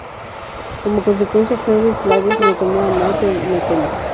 Como consecuencia, Henry Slade se lo tomó a mal, me temo...""